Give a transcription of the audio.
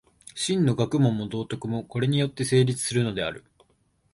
真の学問も道徳も、これによって成立するのである。